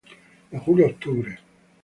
De julio a octubre.